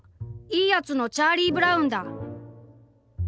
『いいやつ』のチャーリー・ブラウンだ！」。